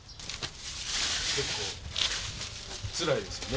結構つらいですよね。